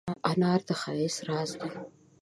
انار د ښایست راز دی.